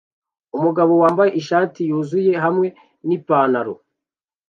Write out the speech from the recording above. Umugabo wambaye ishati yuzuye hamwe nipantaro